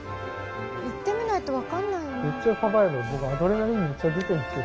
行ってみないと分かんないな。